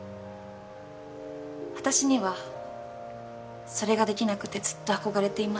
私にはそれができなくてずっと憧れていました。